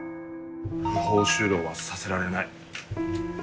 不法就労はさせられない。